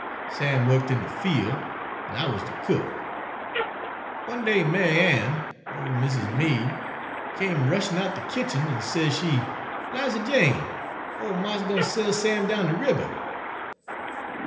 Sam worked in de fiel', an' I wuz de cook. One day Ma'y Ann, ole miss's maid, came rushin' out ter de kitchen, an' says she, ' 'Liza Jane, ole marse gwine sell yo' Sam down de ribber.'